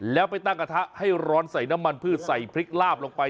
แล้วไปตั้งกระทะให้ร้อนใส่น้ำมันพืชใส่พริกลาบลงไป